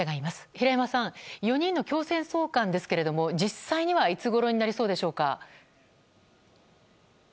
平山さん、４人の強制送還ですが実際にはいつごろになりそうでしょうか。